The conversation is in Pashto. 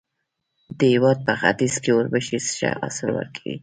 د هېواد په ختیځ کې اوربشې ښه حاصل ورکوي.